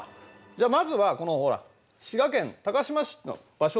じゃあまずはこのほら滋賀県高島市の場所を確認してみよう。